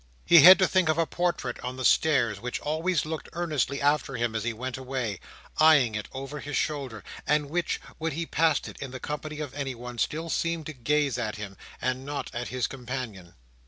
He had to think of a portrait on the stairs, which always looked earnestly after him as he went away, eyeing it over his shoulder; and which, when he passed it in the company of anyone, still seemed to gaze at him, and not at his companion.